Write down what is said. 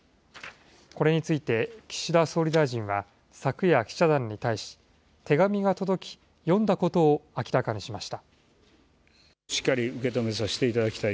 これについて岸田総理大臣は、昨夜、記者団に対し、手紙が届き、読んだことを明らかにしました。